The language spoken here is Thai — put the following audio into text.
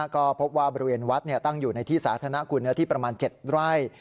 ก็พบว่าบริเวณวัดตั้งอยู่ในที่ศาธนะแล้วหน้าที่ประมาณ๗ราย